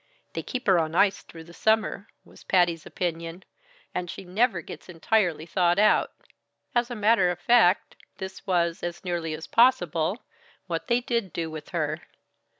"They keep her on ice through the summer," was Patty's opinion, "and she never gets entirely thawed out." As a matter of fact this was, as nearly as possible, what they did do with her.